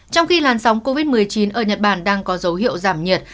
trong khi làn sóng covid một mươi chín ở nhật bản đang có dấu hiệu giảm nhiệt